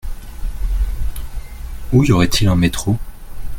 Où y aurait-il un métro ?